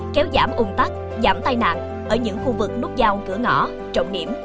kéo giảm ung tắc giảm tai nạn ở những khu vực nút giao cửa ngõ trọng điểm